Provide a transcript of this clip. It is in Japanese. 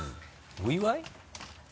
お祝い？